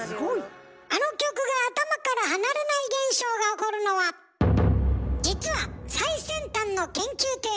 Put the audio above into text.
「あの曲が頭から離れない現象」が起こるのは実は最先端の研究テーマ！